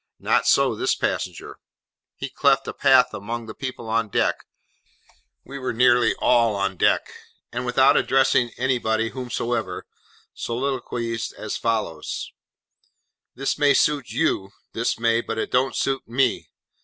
Not so this passenger. He cleft a path among the people on deck (we were nearly all on deck), and without addressing anybody whomsoever, soliloquised as follows: 'This may suit you, this may, but it don't suit me.